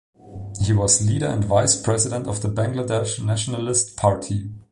He was leader and Vice President of the Bangladesh Nationalist Party.